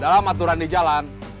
dalam aturan di jalan